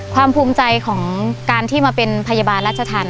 ความภูมิใจของการที่มาเป็นพยาบาลรัชทัน